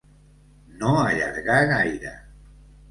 No allargar gaire.